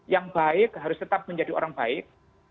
yang baik harus tetap menjadi orang baik